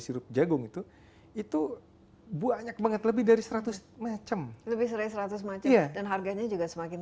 sirup jagung itu itu banyak banget lebih dari seratus macam lebih dari seratus macam dan harganya juga semakin